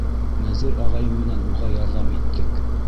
Нәҙир ағайым менән уға ярҙам иттек.